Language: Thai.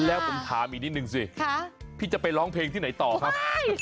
แล้วผมถามอีกนิดนึงสิพี่จะไปร้องเพลงที่ไหนต่อครับ